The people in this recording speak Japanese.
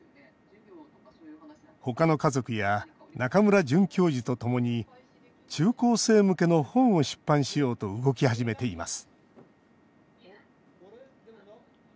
他の家族や中村准教授とともに中高生向けの本を出版しようと動き始めています